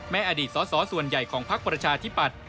อดีตสอสอส่วนใหญ่ของพักประชาธิปัตย